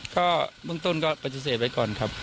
ก็เบื้องต้นก็ปฏิเสธไว้ก่อนครับ